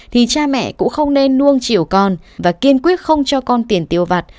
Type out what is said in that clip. thì cha mẹ cũng không nên nuông chiều con và kiên quyết không cho con tiền tiêu vặt